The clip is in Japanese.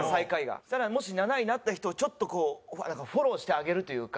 そうしたら７位になった人をちょっとこうフォローしてあげるというか。